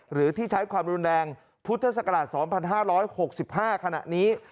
หรือที่ใช้ความรุนแรงพุทธศักราช๒๕๖๕ขณะนี้